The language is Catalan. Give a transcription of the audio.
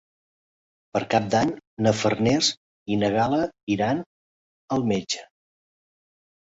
Per Cap d'Any na Farners i na Gal·la iran al metge.